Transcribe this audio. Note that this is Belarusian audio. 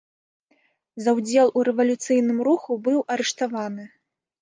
За ўдзел у рэвалюцыйным руху быў арыштаваны.